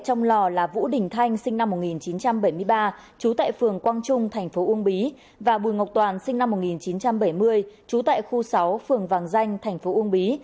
trong lò là vũ đình thanh sinh năm một nghìn chín trăm bảy mươi ba trú tại phường quang trung tp ung bí và bùi ngọc toàn sinh năm một nghìn chín trăm bảy mươi trú tại khu sáu phường vàng danh tp ung bí